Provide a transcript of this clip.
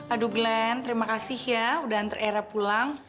aduh glenn terima kasih ya udah enter era pulang